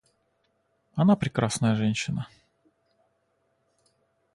Она прекрасная женщина.